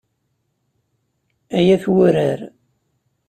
Ay at wurar.